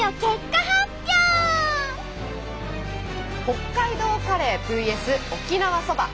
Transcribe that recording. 北海道カレーＶＳ．沖縄そば